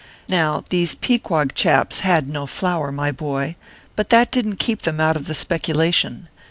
Now, these Pequog chaps had no flour, my boy ; but that didn t keep them out of the specula tion.